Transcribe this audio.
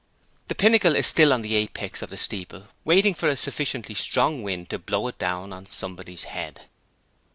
The pinnacle is still on the apex of the steeple waiting for a sufficiently strong wind to blow it down on somebody's head.